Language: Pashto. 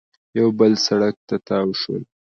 یو بل سړک ته تاو شول